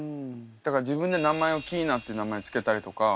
だから自分で名前をＫｉｉｎａって名前付けたりとか。